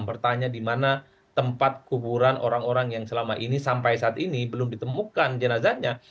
bertanya di mana tempat kuburan orang orang yang selama ini sampai saat ini belum ditemukan jenazahnya